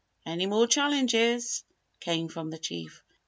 "Any more challenges?" came from the Chief.